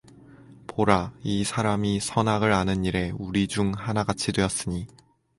보라 이 사람이 선악을 아는 일에 우리 중 하나 같이 되었으니